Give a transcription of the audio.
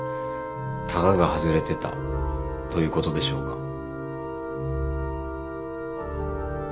たがが外れてたということでしょうか。